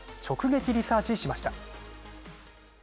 直撃リサーチしました。